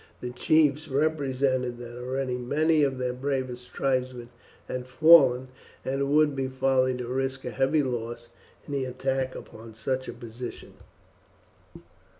The chiefs represented that already many of their bravest tribesmen had fallen, and it would be folly to risk a heavy loss in the attack upon such a position.